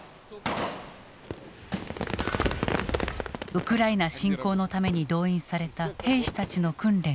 ウクライナ侵攻のために動員された兵士たちの訓練を視察した。